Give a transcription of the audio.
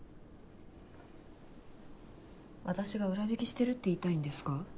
私が裏引きしてるって言いたいんですか？